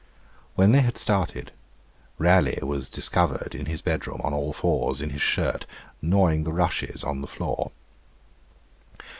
When they had started, Raleigh was discovered in his bedroom, on all fours, in his shirt, gnawing the rushes on the floor.